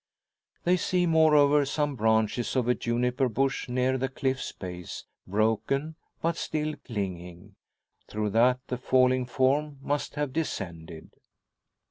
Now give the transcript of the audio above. They see, moreover, some branches of a juniper bush near the cliff's base, broken, but still clinging. Through that the falling form must have descended!